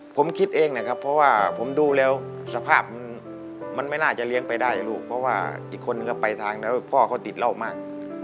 ผมคิดเองเนี่ยครับเพราะว่าผมดูแล้วสภาพมันไม่น่าจะเลี้ยงไปได้ครับลูกเพราะว่าอีกคนนึงก็ปลายทางแล้วพ่อเขาติดเป็นเรื่องเงินมาก